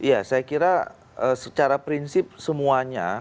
ya saya kira secara prinsip semuanya